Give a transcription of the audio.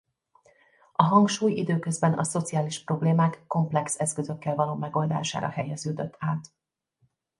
A hangsúly időközben a szociális problémák komplex eszközökkel való megoldására helyeződött át.